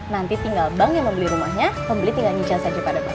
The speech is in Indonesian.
nanti tinggal bank yang membeli rumahnya pembeli tinggal nyicil saja pada bank